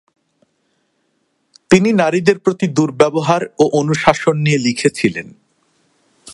তিনি নারীদের প্রতি দুর্ব্যবহার ও অনুশাসন নিয়ে লিখেছিলেন।